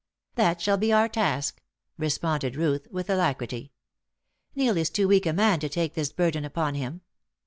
"That shall be our task," responded Ruth, with alacrity. "Neil is too weak a man to take this burden upon him.